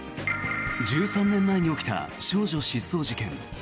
１３年前に起きた少女失踪事件。